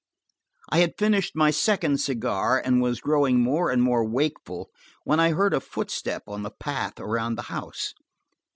I had finished my second cigar, and was growing more and more wakeful, when I heard a footstep on the path around the house.